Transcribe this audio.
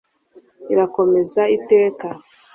irakomeza iteka